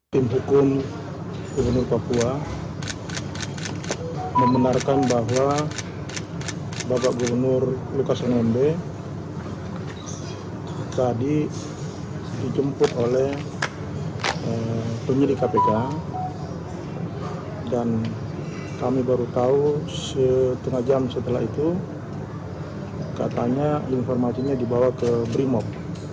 tim hukum gubernur papua membenarkan bahwa bapak gubernur lukas nmb tadi dijemput oleh penyelidik kpk dan kami baru tahu setengah jam setelah itu katanya informasinya dibawa ke brimob